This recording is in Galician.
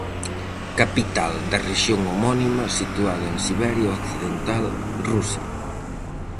Capital da rexión homónima, situada en Siberia Occidental, Rusia.